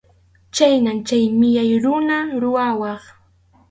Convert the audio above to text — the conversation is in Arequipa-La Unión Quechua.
Chhaynatam chay millay runa rurawaq.